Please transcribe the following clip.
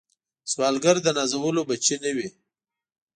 سوالګر د نازولو بچي نه وي